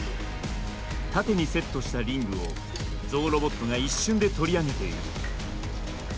縦にセットしたリングをゾウロボットが一瞬で取り上げている。